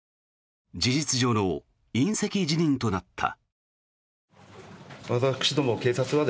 事実上の引責辞任となった。